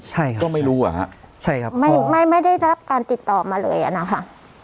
ใช่ครับก็ไม่รู้อ่ะฮะใช่ครับไม่ไม่ไม่ได้รับการติดต่อมาเลยอ่ะนะคะ